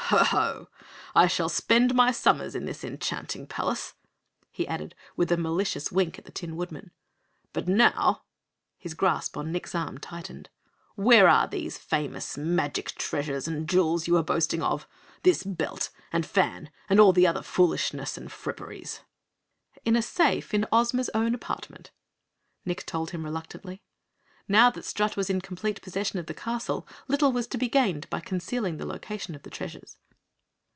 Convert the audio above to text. Ho, Ho! I shall spend my summers in this enchanting palace," he added, with a malicious wink at the Tin Woodman. "But now," his grasp on Nick's arm tightened. "Where are these famous, magic treasures and jewels you were boasting of this belt and fan and all the other foolishments and fripperies?" "In a safe in Ozma's own apartment," Nick told him, reluctantly. Now that Strut was in complete possession of the castle, little was to be gained by concealing the location of the treasures.